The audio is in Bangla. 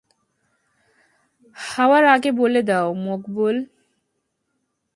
যাওয়ার আগে বলে যাও, মকবুল!